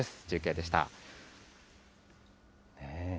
中継でした。